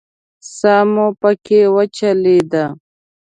ساه مو پکې وچلېده.